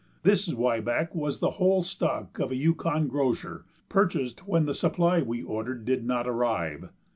This zwieback was the whole stock of a Yukon grocer purchased when the supply we ordered did not arrive.